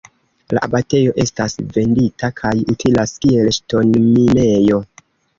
La abatejo estas vendita kaj utilas kiel ŝtonminejo.